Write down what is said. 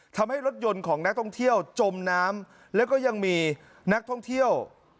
ทำให้รถยนต์ของนักท่องเที่ยวจมน้ำแล้วก็ยังมีนักท่องเที่ยว